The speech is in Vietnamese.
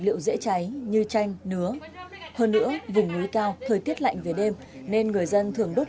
liệu dễ cháy như chanh nứa hơn nữa vùng núi cao thời tiết lạnh về đêm nên người dân thường đốt